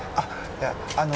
いやあの。